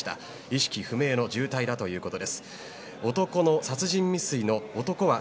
意識不明の重体だということです。